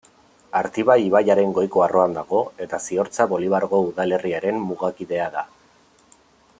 Artibai ibaiaren goiko arroan dago, eta Ziortza-Bolibargo udalerriaren mugakidea da.